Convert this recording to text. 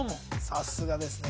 さすがです